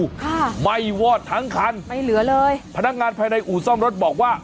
ค่ะไหม้วอดทั้งคันไม่เหลือเลยพนักงานภายในอู่ซ่อมรถบอกว่า